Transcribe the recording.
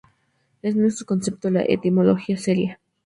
En nuestro concepto, la etimología sería.